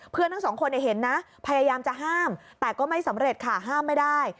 เพื่อนทั้ง๒คนเนี่ยเห็นนะพยายามจะห้ามแต่ก็ไม่สำเร็จค่ะห้ามไม่ได้